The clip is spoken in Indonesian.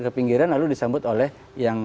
ke pinggiran lalu disambut oleh yang